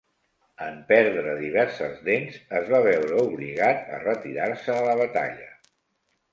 En perdre diverses dents, es va veure obligat a retirar-se de la batalla.